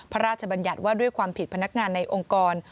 พระราชบัญญัติว่าด้วยความผิดพนักงานในองค์กร